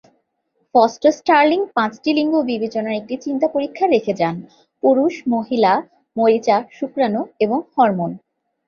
Fausto-Sterling পাঁচটি লিঙ্গ বিবেচনার একটি চিন্তা পরীক্ষা রেখে যান: পুরুষ, মহিলা, মরিচা, শুক্রাণু এবং হরমোন।